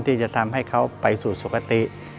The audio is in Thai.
ที่จะทำให้เขาไปสู่สุขติ